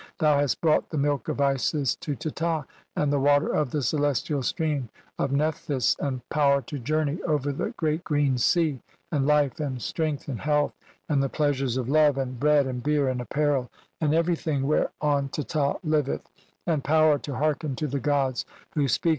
"Thou hast brought the milk of Isis to Teta, and the "water of the celestial stream of Nephthys, and [power] "to journey over the Great Green Sea, and life, and "strength, and health, and the pleasures of love, and "bread, and beer, and apparel, and every thing C XXX INTR OD UCT10N. 'whereon Teta liveth, and [power] to hearken to the 'gods who speak